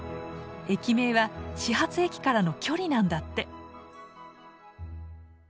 駅名は始発駅からの距離なんだって。